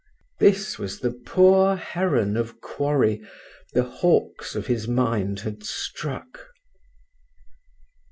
This was the poor heron of quarry the hawks of his mind had struck.